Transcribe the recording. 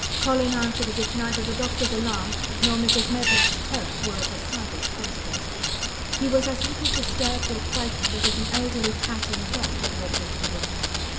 Colin answered as if neither the doctor's alarm nor Mrs. Medlock's terror were of the slightest consequence. He was as little disturbed or frightened as if an elderly cat and dog had walked into the room.